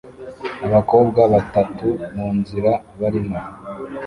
Abakobwa batatu munzira barimo